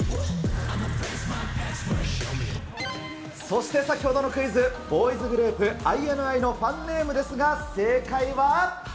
そして先ほどのクイズ、ボーイズグループ、ＩＮＩのファンネームですが、正解は。